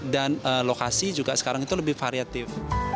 dan lokasi juga sekarang itu lebih variatif